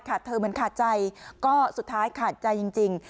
เธอเหมือนขาดใจก็สุดท้ายขาดใจจริง